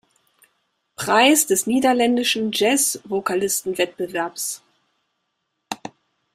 Preis des Niederländischen Jazz Vokalisten-Wettbewerbs.